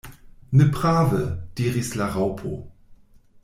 "Ne prave!" diris la Raŭpo.